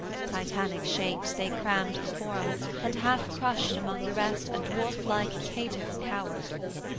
Titanic shapes, they crammed The forum, and half crushed among the rest A dwarf like Cato cowered.